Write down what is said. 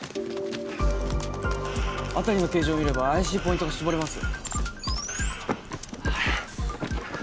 辺りの形状を見れば怪しいポイントが絞れます。